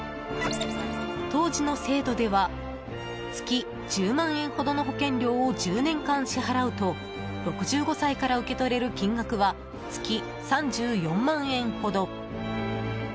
当時の制度では月１０万円ほどの保険料を１０年間支払うと６５歳から受け取れる金額は月３４万円ほど。